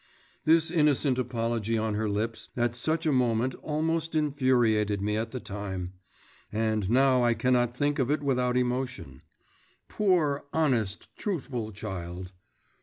…' This innocent apology on her lips at such a moment almost infuriated me at the time … and now I cannot think of it without emotion. Poor, honest, truthful child!